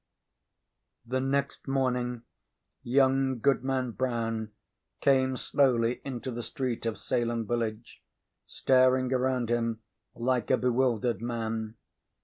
The next morning young Goodman Brown came slowly into the street of Salem village, staring around him like a bewildered man.